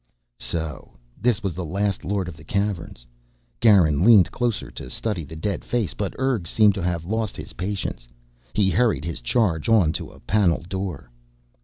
So this was the last Lord of the Caverns. Garin leaned closer to study the dead face but Urg seemed to have lost his patience. He hurried his charge on to a panel door.